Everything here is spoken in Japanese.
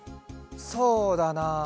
そうだな。